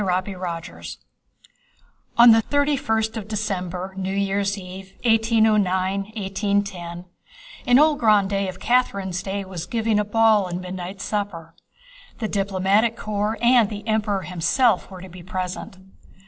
CHAPTER XIV On the thirty first of December, New Year's Eve, 1809 10 an old grandee of Catherine's day was giving a ball and midnight supper. The diplomatic corps and the Emperor himself were to be present.